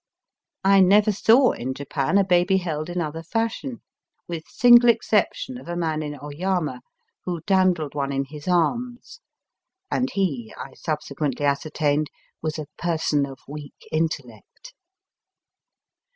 I never saw in Japan a baby held in other fashion, with Digitized by VjOOQIC 196 EAST BY WEST. single exception of a man in Oyama who dandled one in his arms, and he, I subse quently ascertained, was a person of weak intellect.